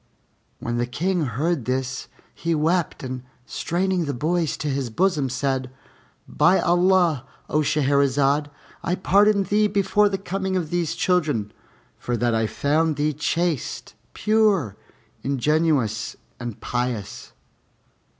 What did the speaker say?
When the King heard this, he wept and straining the boys to his bosom, said, "By Allah, O Shahrazad, I pardoned thee before the coming of these children, for that I found thee chaste, pure, ingenuous, and pious!